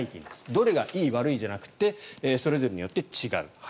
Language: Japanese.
どれがいい悪いじゃなくてそれぞれによって違う。